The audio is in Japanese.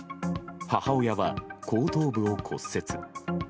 母親は、後頭部を骨折。